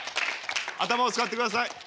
頭を使ってください。